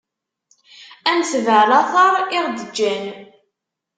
Ad netbeɛ lateṛ i ɣ-d-ğğan.